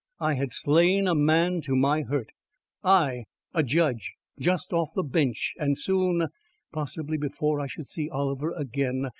I had slain a man to my hurt, I a judge, just off the Bench; and soon ... possibly before I should see Oliver again